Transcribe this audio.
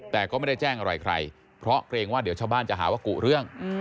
แต่ก็ไม่ได้แจ้งอะไรใครเพราะเกรงว่าเดี๋ยวชาวบ้านจะหาว่ากุเรื่อง